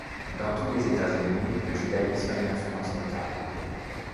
Dans tous les États ennemis, le judaïsme a une influence notable.